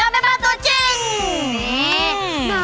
แม่บ้านประจันบัน